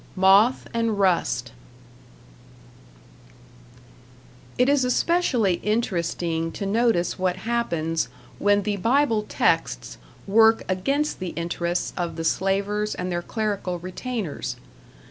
#" #Moth and Rust# It is especially interesting to notice what happens when the Bible texts work against the interests of the Slavers and their clerical retainers.